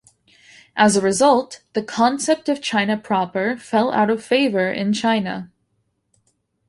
As a result, the concept of China proper fell out of favour in China.